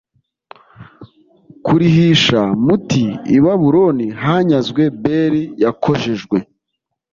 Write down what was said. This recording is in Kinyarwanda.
kurihisha muti I Babuloni hanyazwe Beli yakojejwe